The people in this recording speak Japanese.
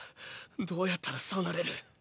どうやったらそうなれる？